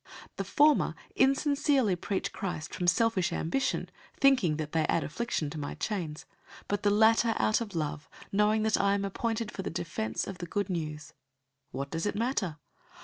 001:016 The former insincerely preach Christ from selfish ambition, thinking that they add affliction to my chains; 001:017 but the latter out of love, knowing that I am appointed for the defense of the Good News. 001:018 What does it matter?